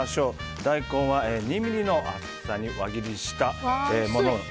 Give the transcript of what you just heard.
大根は２ｍｍの厚さに輪切りしたもの。